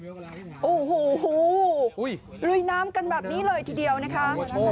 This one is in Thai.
โอ้โหลุยน้ำกันแบบนี้เลยทีเดียวนะคะ